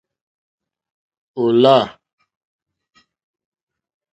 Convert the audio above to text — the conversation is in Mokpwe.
Ò lâ.